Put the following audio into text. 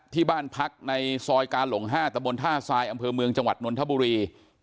ที่บ้านพักในซอยกาหลง๕ตะบนท่าทรายอำเภอเมืองจังหวัดนนทบุรี